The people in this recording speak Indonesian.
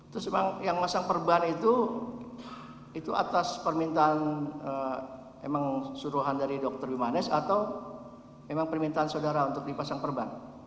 terus emang yang pasang perban itu itu atas permintaan emang suruhan dari dokter bima hanes atau emang permintaan saudara untuk dipasang perban